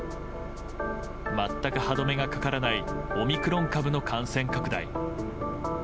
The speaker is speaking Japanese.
全く歯止めがかからないオミクロン株の感染拡大。